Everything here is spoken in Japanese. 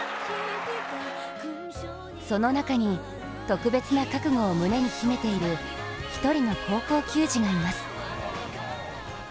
その中に、特別な覚悟を胸に秘めている一人の高校球児がいます。